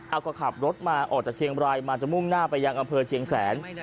เอาก็ขับรถมาออกจากเชียงบรายมาจะมุ่งหน้าไปยังอำเภอเชียงแสน